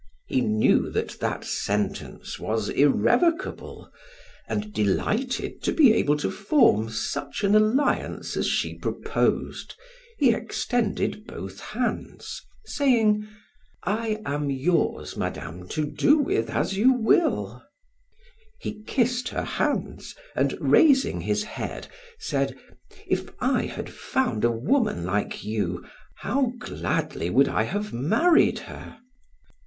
He knew that that sentence was irrevocable, and delighted to be able to form such an alliance as she proposed, he extended both hands, saying: "I am yours, Madame, to do with as you will" He kissed her hands and raising his head said: "If I had found a woman like you, how gladly would I have married her."